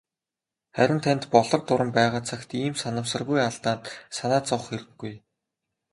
Харин танд "Болор дуран" байгаа цагт ийм санамсаргүй алдаанд санаа зовох хэрэггүй.